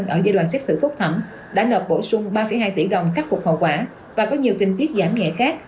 ở giai đoạn xét xử phúc thẩm đã nợp bổ sung ba hai tỷ đồng khắc phục hậu quả và có nhiều tình tiết giảm nhẹ khác